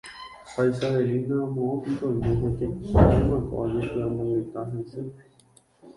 ha Isabelina, moõpiko oime hetaitémako ajepy'amongeta hese